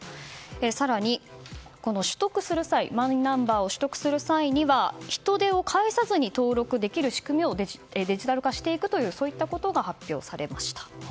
更に、マイナンバーを取得する際は人手を介さずに登録できる仕組みをデジタル化していくということが発表されました。